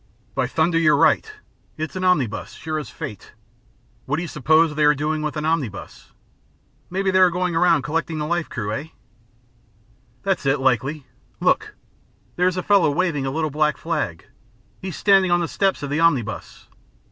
"By thunder, you're right. It's an omnibus, sure as fate. What do you suppose they are doing with an omnibus? Maybe they are going around collecting the life crew, hey?" "That's it, likely. Look! There's a fellow waving a little black flag. He's standing on the steps of the omnibus.